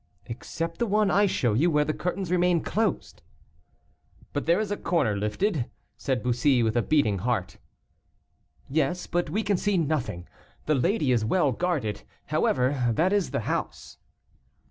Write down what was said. "Except the one I show you, where the curtains remain closed." "But there is a corner lifted," said Bussy, with a beating heart. "Yes, but we can see nothing. The lady is well guarded. However, that is the house."